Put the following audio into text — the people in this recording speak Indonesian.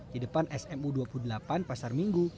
di depan smu dua puluh delapan pasar minggu